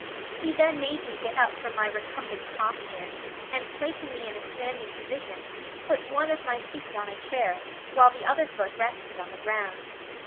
He then made me get up from my recumbent posture, and placing me in a standing position, put one of my feet on a chair, while the other foot rested on the ground.